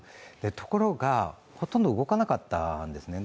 ところが、ほとんど動かなかったんですね。